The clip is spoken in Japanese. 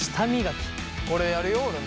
これやるよ俺も。